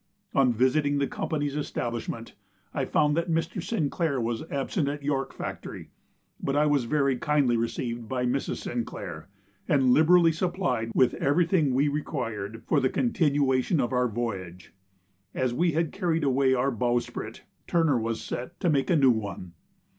On visiting the Company's establishment, I found that Mr. Sinclair was absent at York Factory; but I was very kindly received by Mrs. Sinclair, and liberally supplied with everything we required for the continuation of our voyage. As we had carried away our bowsprit, Turner was set to make a new one.